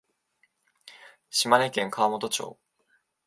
島根県川本町